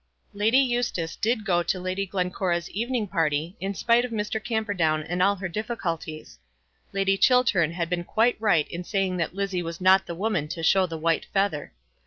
Lady Eustace did go to Lady Glencora's evening party, in spite of Mr. Camperdown and all her difficulties. Lady Chiltern had been quite right in saying that Lizzie was not the woman to show the white feather.